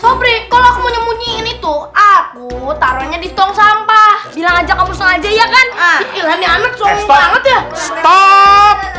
sobring kalau aku nyemunyiin itu aku taruhnya di tong sampah bilang aja kamu sengaja ya kan